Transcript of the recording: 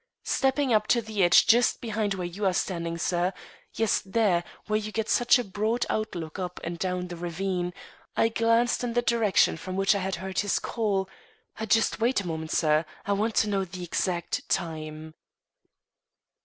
Stepping up to the edge just behind where you are standing, sir yes, there, where you get such a broad outlook up and down the ravine, I glanced in the direction from which I had heard his call Just wait a moment, sir; I want to know the exact time."